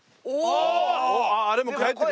あれも返ってくる。